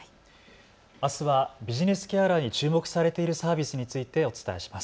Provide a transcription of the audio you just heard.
あすはビジネスケアラーに注目されているサービスについてお伝えします。